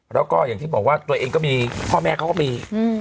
แล้วก็อย่างที่บอกว่าตัวเองก็มีพ่อแม่เขาก็มี